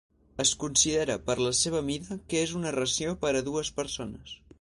Es considera per la seva mida que és una ració per a dues persones.